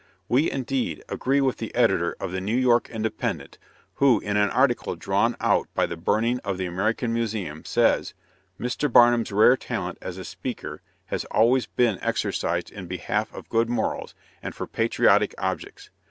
We, indeed, agree with the editor of The New York Independent, who, in an article drawn out by the burning of the American Museum, says: "Mr. Barnum's rare talent as a speaker has always been exercised in behalf of good morals, and for patriotic objects.